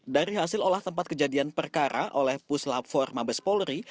dari hasil olah tempat kejadian perkara oleh puslah forma bespoleri